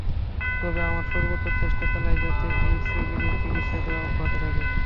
তবে আমরা সর্বোচ্চ চেষ্টা চালাই যাতে এইডস রোগীদের চিকিৎসা দেওয়া অব্যাহত থাকে।